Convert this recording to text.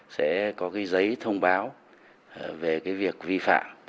sẽ có giấy thông báo về việc vi phạm